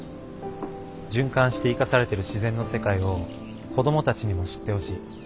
循環して生かされている自然の世界を子どもたちにも知ってほしい。